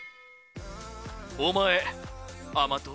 お前甘党？